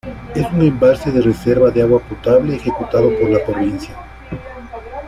Es un embalse de Reserva de Agua Potable.ejecutado por la provincia.